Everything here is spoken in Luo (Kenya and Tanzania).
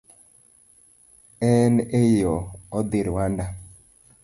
En e yoo odhi Rwanda.